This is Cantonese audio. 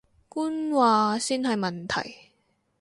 官話先係問題